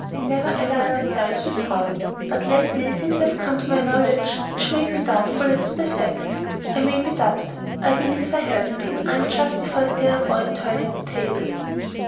We never ally ourselves with wrong. But lately things have come to my knowledge which made me doubtful as to facts. I may have been duped I believe I have been: I am justified, therefore, in turning the tables."